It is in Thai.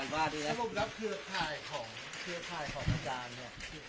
แล้วก็ทำพวกนี้อยู่เนี้ย